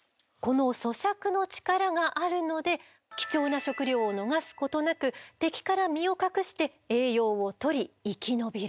この咀嚼の力があるので貴重な食料を逃すことなく敵から身を隠して栄養をとり生き延びる。